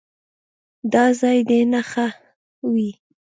دا ځای دې نښه وي.